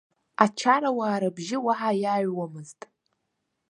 Ачарауаа рыбжьы уаҳа иааҩуамызт.